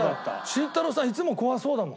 慎太郎さんいつも怖そうだもん。